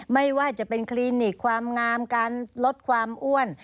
ไม่ว่าจะเป็นคลินิกความงามการลดความอ้วน